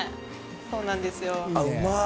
そうなんですよあっ